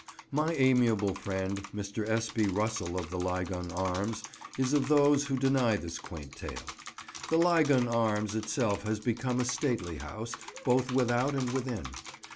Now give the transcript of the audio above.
My amiable friend, Mr. S. B. Russell of the "Lygon Arms," is of those who deny this quaint tale. The "Lygon Arms" itself has become a stately house, both without and within.